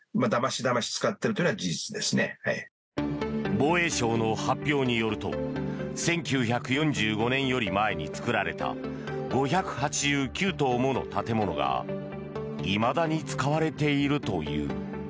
防衛省の発表によると１９４５年より前に作られた５８９棟もの建物がいまだに使われているという。